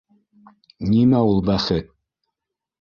Нимә һуң ул бәхет?